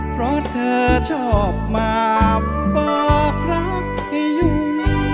เพราะเธอชอบมาบอกรักให้อยู่